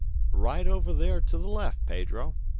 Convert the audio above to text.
" Right over there to the left, Pedro.